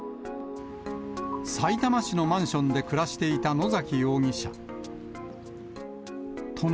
さいたま市のマンションで暮らしていた野崎容疑者。